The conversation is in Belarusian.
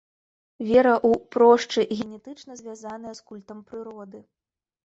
Вера ў прошчы генетычна звязаная з культам прыроды.